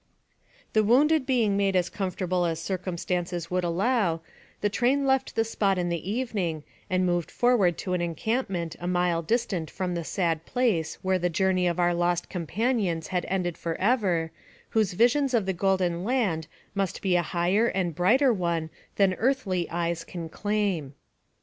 The wounded being made as comfortable as circum stances would allow, the train left the spot in the even ing, and moved forward to an encampment a mile distant from the sad place, where the journey of our lost companions had ended forever, whose visions of the golden land must be a higher and brighter one than earthly eyes can claim.